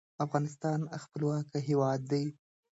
افغانستان خپلواک هیواد دی.